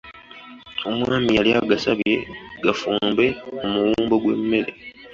Omwami yali agasabye gafumbe omuwumbo gw’emmere.